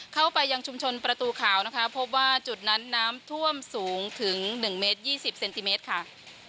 เข้าไปยังชุมชนประตูขาวนะคะพบว่าจุดนั้นน้ำท่วมสูงถึง๑เมตร๒๐เซนติเมตรค่ะ